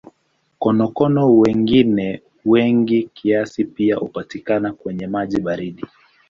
Konokono wengine wengi kiasi pia hupatikana kwenye maji baridi.